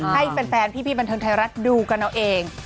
ให้แฟนพี่บันเทิงไทยรัฐดูกันเอาเอง